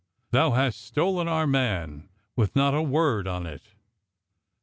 Thou hast stolen our man with not a word on it."